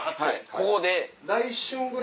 ここで。